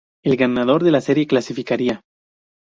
El ganador de la serie clasificaría.